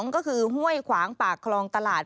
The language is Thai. ก็คือห้วยขวางปากคลองตลาด